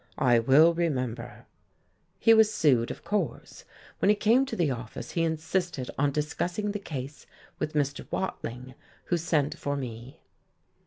I will remember." He was sued, of course. When he came to the office he insisted on discussing the case with Mr. Watling, who sent for me.